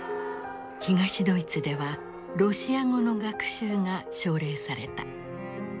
東ドイツではロシア語の学習が奨励された。